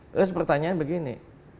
terus pertanyaan begini